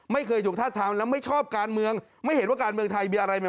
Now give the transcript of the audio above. ไม่เคยถูกทาบทามแล้วไม่ชอบการเมืองไม่เห็นว่าการเมืองไทยมีอะไรใหม่